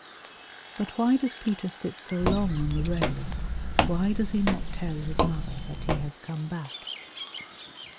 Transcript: But why does Peter sit so long on the rail, why does he not tell his mother that he has come back?